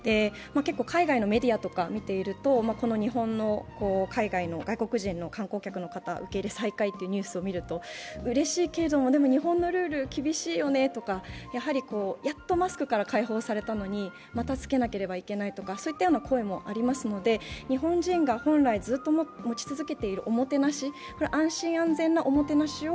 海外のメディアなどを見ていると、この日本の外国人観光客の受け入れのニュースを見ているとうれしいけれども、日本のルール厳しいよねとか、やっとマスクから解放されたのにまた着けなければいけないとかそういったような声もありますので、日本人が本来、ずっと持ち続けているおもてなし、おもてなしを